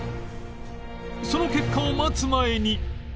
その結果を待つ前に